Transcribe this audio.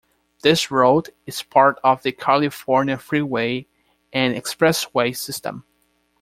This route is part of the California Freeway and Expressway System.